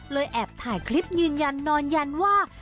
แอบถ่ายคลิปยืนยันนอนยันว่า